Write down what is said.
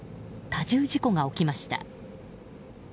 多重事故が起きました。